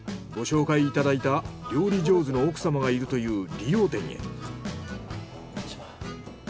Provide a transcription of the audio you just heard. ご紹介いただいた料理上手の奥様がいるという理容店へ。